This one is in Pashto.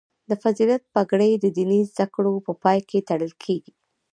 د فضیلت پګړۍ د دیني زده کړو په پای کې تړل کیږي.